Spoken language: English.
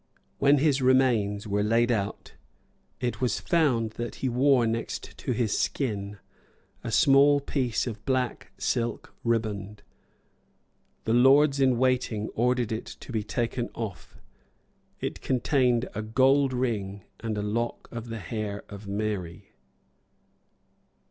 When his remains were laid out, it was found that he wore next to his skin a small piece of black silk riband. The lords in waiting ordered it to be taken off. It contained a gold ring and a lock of the hair of Mary.